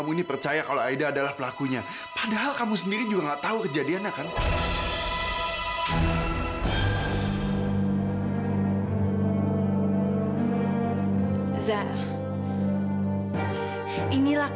ini darah dari orang yang menggabrak saya tadi